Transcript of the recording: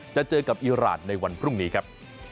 จะเจอกับอีรานในวันพรุ่งนี้ครับ